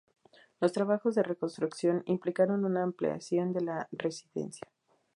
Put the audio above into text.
Los trabajos de reconstrucción implicaron una ampliación de la residencia.